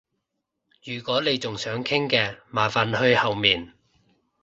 如果你仲想傾嘅，麻煩去後面